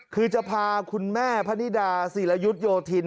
คือจะพาคุณแม่พนิดาศิรยุทธโยธิน